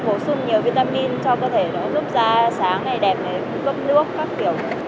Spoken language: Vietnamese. phổ sung nhiều vitamin cho cơ thể nó giúp da sáng này đẹp giúp gấp nước các kiểu